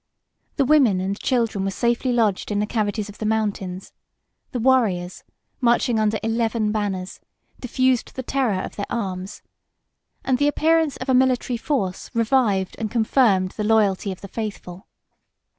The women and children were safely lodged in the cavities of the mountains: the warriors, marching under eleven banners, diffused the terror of their arms; and the appearance of a military force revived and confirmed the loyalty of the faithful.